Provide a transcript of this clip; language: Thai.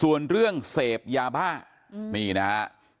ส่วนเรื่องเสพยาบ้ามีนะครับ